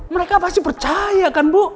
mereka pasti percaya kan bu